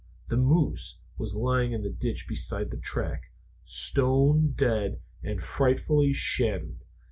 The moose was lying in the ditch beside the track, stone dead and frightfully shattered.